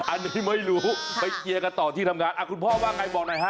อันนี้ไม่รู้ไปเชียร์กันต่อที่ทำงานคุณพ่อว่าไงบอกหน่อยฮะ